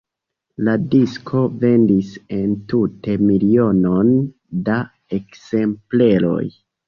La disko vendis entute milionon da ekzempleroj.